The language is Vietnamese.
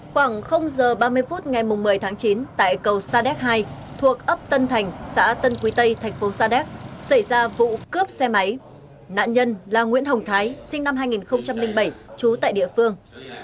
khoảng giờ ba mươi phút ngày một mươi tháng chín tại cầu sa đéc hai thuộc ấp tân thành xã tân quý tây thành phố sa đéc xảy ra vụ cướp xe máy nạn nhân là nguyễn hồng thái sinh năm hai nghìn bảy trú tại địa phương